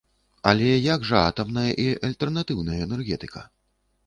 Але як жа атамная і альтэрнатыўная энергетыка?